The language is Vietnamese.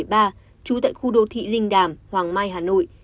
trú tại khu đô thị linh đàm hoàng mai hà nội